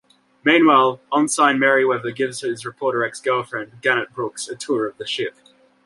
Meanwhile, Ensign Mayweather gives his reporter ex-girlfriend, Gannet Brooks, a tour of the ship.